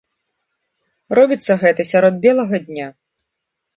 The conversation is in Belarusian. Робіцца гэта сярод белага дня.